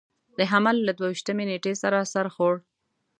د حمل له دوه ویشتمې نېټې سره سر خوړ.